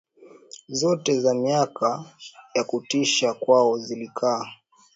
zote za miaka ya kutisha kwao zilikaa